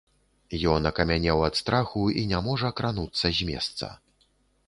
Ён акамянеў ад страху і не можа крануцца з месца.